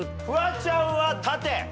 フワちゃんは縦。